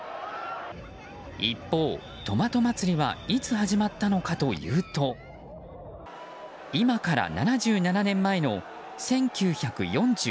一方、トマト祭りはいつ始まったのかというと今から７７年前の１９４５年。